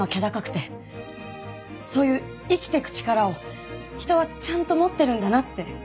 そういう生きていく力を人はちゃんと持ってるんだなって。